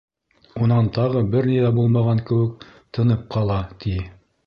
Унан тағы бер ни ҙә булмаған кеүек тынып ҡала, ти.